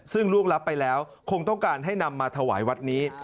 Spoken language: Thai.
ซึ่งล่วงรับไปแล้วคงต้องการให้นำมาถวายวัดนี้